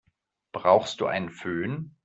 Brauchst du einen Fön?